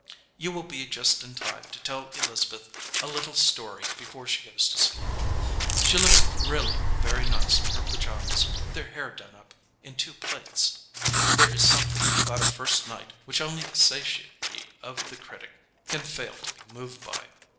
You will be just in time to tell Elizabeth a little story before she goes to sleep. She looks really very nice in her pyjamas with her hair done up in two plaits. There is something about a first night which only the satiety of the critic can fail to be moved by.